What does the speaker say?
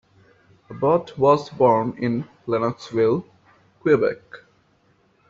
Abbott was born in Lennoxville, Quebec.